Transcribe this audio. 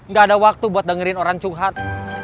gak ada waktu buat dengerin orang curhat